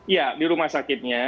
ya di rumah sakitnya